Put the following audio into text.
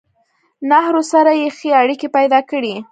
نهرو سره يې ښې اړيکې پېدا کړې